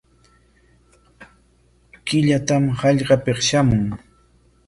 Killatam hallqapik shamun.